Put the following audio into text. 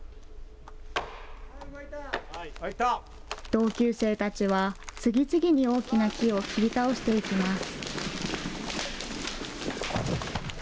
同級生たちは、次々に大きな木を切り倒していきます。